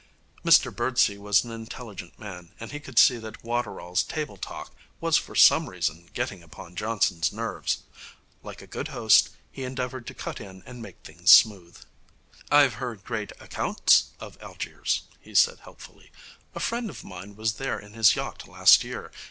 Mr Birdsey was an intelligent man, and he could see that Waterall's table talk was for some reason getting upon Johnson's nerves. Like a good host, he endeavoured to cut in and make things smooth. 'I've heard great accounts of Algiers,' he said helpfully. 'A friend of mine was there in his yacht last year.